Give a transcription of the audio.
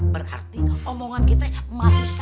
berarti omongan kita masih sakit mbak